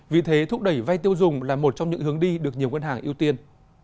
vì thế thúc đẩy vai tiêu dùng là một trong những hướng đi được nhiều ngân hàng ưu tiên